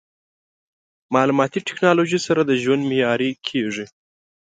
مالوماتي ټکنالوژي سره د ژوند معیاري کېږي.